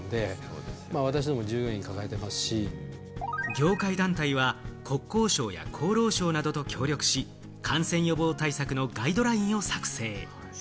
業界団体は国交省や厚労省などと協力し、感染予防対策のガイドラインを作成。